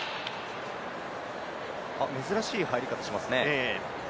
珍しい入り方しますね。